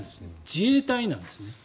自衛隊なんですね。